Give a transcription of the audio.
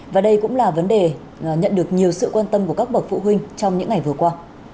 và đây cũng là vấn đề nhận được nhiều sự quan tâm của các bậc phụ huynh trong những ngày vừa qua